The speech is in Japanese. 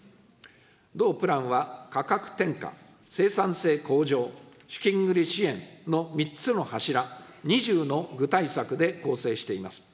同プランは価格転嫁、生産性向上、資金繰り支援の３つの柱、２０の具体策で構成しています。